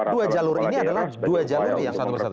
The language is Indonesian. dua jalur ini adalah dua jalur yang satu persatu